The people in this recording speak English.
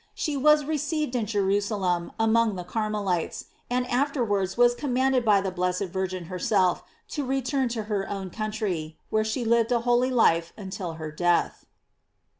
She was received in Jerusalem among the Car melites, and afterwards was commanded by the blessed Virgin herself to return to her own country, where she lived ' a holy life till her death.